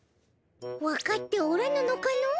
わかっておらぬのかの？